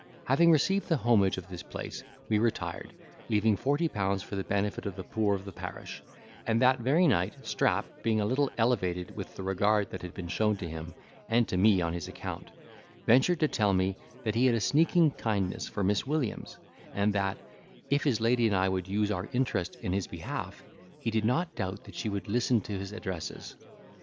Having received the homage of this place, we retired, leaving forty pounds for the benefit of the poor of the parish; and that very night, Strap being a little elevated with the regard that had been shown to him, and to me on his account, ventured to tell me, that he had a sneaking kindness for Miss Williams, and that, if his lady and I would use our interest in his behalf, he did not doubt that she would listen to his addresses.